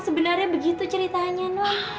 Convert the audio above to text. sebenarnya begitu ceritanya nan